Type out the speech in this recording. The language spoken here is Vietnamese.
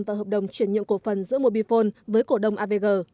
và hợp đồng chuyển nhượng cổ phần giữa mobifone với cổ đông avg